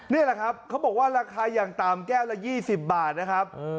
นี่แหละครับเขาบอกว่าราคาอย่างต่ำแก้วละ๒๐บาทนะครับ